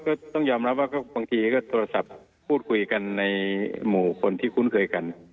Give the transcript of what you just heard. ก็ต้องยอมรับว่าบางทีก็โทรศัพท์พูดคุยกันในหมู่คนที่คุ้นเคยกัน